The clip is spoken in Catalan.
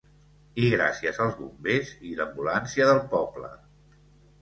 I gràcies als bombers i l'ambulància del poble.